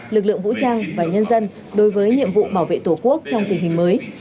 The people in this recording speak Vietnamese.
lực lượng vũ trang và nhân dân đối với nhiệm vụ bảo vệ tổ quốc trong tình hình mới